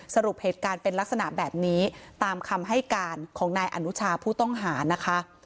สรุปเหตุการณ์เป็นลักษณะแบบนี้ตามคำให้การของนายอนุชาผู้ต้องหานะคะ